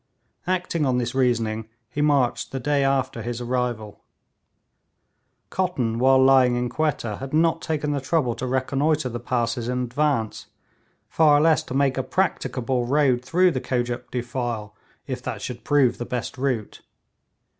Acting on this reasoning, he marched the day after his arrival. Cotton, while lying in Quetta, had not taken the trouble to reconnoitre the passes in advance, far less to make a practicable road through the Kojuk defile if that should prove the best route.